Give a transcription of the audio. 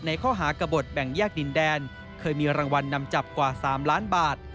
ข้อหากระบดแบ่งแยกดินแดนเคยมีรางวัลนำจับกว่า๓ล้านบาท